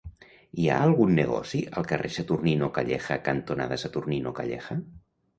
Hi ha algun negoci al carrer Saturnino Calleja cantonada Saturnino Calleja?